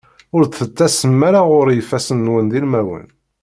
Ur d-tettasem ara ɣur-i ifassen-nwen d ilmawen.